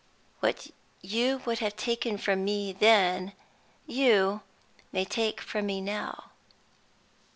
What you would have taken from me then, you may take from me now.